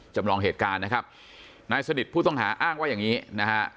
จำลองเหตุการณ์นะครับนายสนิทผู้ต้องหาอ้างว่าอย่างนี้นะฮะ